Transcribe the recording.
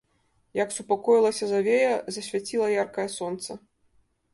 Як супакоілася завея, засвяціла яркае сонца.